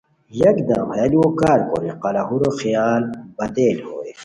یکدم ہیہ ُلوؤ کار کوری قلاہورو خیال بدل ہوئے